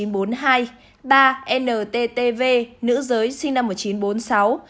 ba nttv nữ giới sinh năm một nghìn chín trăm bốn mươi sáu